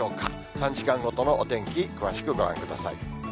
３時間ごとのお天気、詳しくご覧ください。